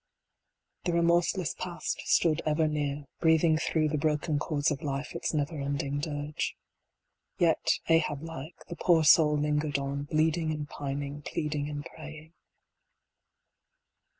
The remorseless Past stood ever near, breathing through the broken chords of life its never ending dirge. Yet, Ahab like, the poor soul lingered on, bleeding and pining, pleading and praying.